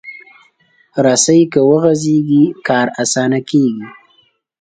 رسۍ که وغځېږي، کار اسانه کېږي.